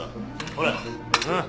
ほらうん。